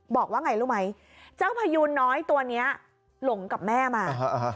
บอกว่าไงรู้ไหมเจ้าพยูนน้อยตัวนี้หลงกับแม่มา